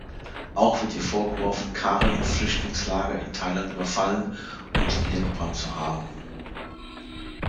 Auch wird ihr vorgeworfen, Karen-Flüchtlingslager in Thailand überfallen und niedergebrannt zu haben.